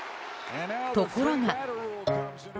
ところが。